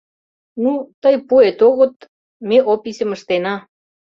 — Ну, тый пуэт огыт, ме описьым ыштена.